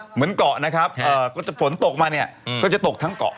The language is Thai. เหมือนเกาะนะครับก็จะฝนตกมาเนี่ยก็จะตกทั้งเกาะ